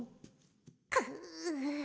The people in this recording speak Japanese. くっ。